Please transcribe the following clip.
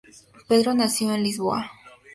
Pedro nació en Lisboa.